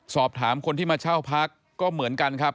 สอบถามคนที่มาเช่าพักก็เหมือนกันครับ